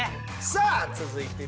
さあ続いてＢ。